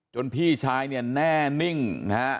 พี่ชายเนี่ยแน่นิ่งนะฮะ